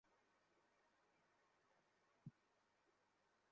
Hello, Ragini?